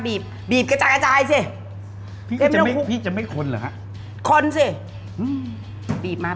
บีบีบกระจายกระจายสิพี่เอ๊ะจะไม่พี่จะไม่คนเหรอฮะคนสิอืมบีบมา